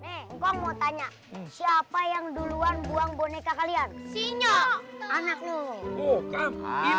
nengkong mau tanya siapa yang duluan buang boneka kalian sinyal anakmu